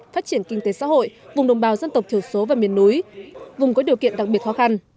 phát triển kinh tế xã hội vùng đồng bào dân tộc thiểu số và miền núi vùng có điều kiện đặc biệt khó khăn